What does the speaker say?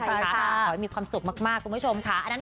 ขอให้มีความสุขมากคุณผู้ชมค่ะ